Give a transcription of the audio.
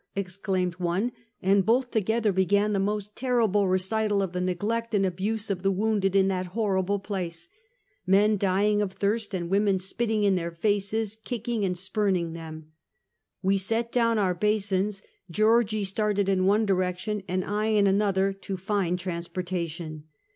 exclaimed one, and both together began the most terrible recital of the neglect and abuse of the wounded in that horrible place — men dying of thirst, and women spitting in their faces, kick ing and spuming them." We set down our basins; Georgie started in one direction and I in another, to find transportation.